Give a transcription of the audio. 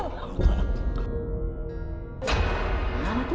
kenapa tuh anak tuh